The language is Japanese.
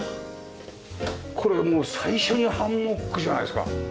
これもう最初にハンモックじゃないですか。